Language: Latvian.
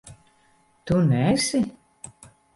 Tu neesi?